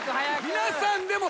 皆さんでも。